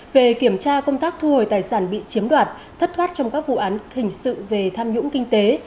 về kiểm tra công tác thu hồi tài sản bị chiếm đoạt thất thoát trong các vụ án hình sự về tham nhũng kinh tế